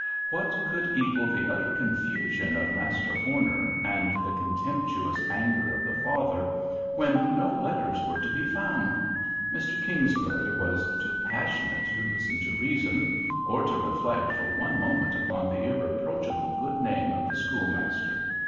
What could equal the utter confusion of Master Horner and the contemptuous anger of the father, when no letters were to be found! Mr. Kingsbury was too passionate to listen to reason, or to reflect for one moment upon the irreproachable good name of the schoolmaster.